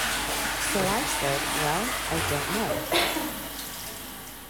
So I said, 'Well, I don't know.